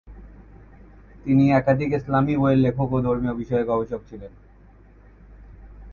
তিনি একাধিক ইসলামী বইয়ের লেখক ও ধর্মীয় বিষয়ে গবেষক ছিলেন।